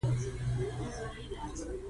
له دې مخکې چې جايزه ترلاسه کړې لازمه ده.